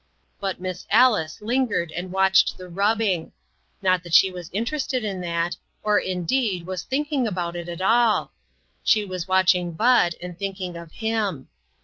But Miss Alice lingered and watched the rubbing ; not that she was interested in that, or, indeed, was thinking about it at all. She was watching Bud, and thinking of him.